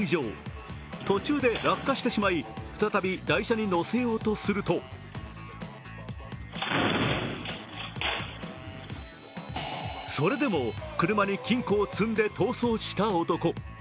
途中で落下してしまい、再び台車に載せようとするとそれでも車に金庫を積んで逃走した男。